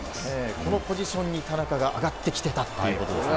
このポジションに田中が上がってきたということですね。